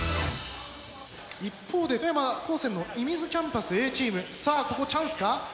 一方で富山高専の射水キャンパスＡチームさあここチャンスか？